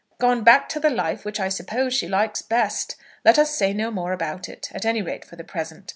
"Gone back to the life which I suppose she likes best. Let us say no more about it, at any rate for the present.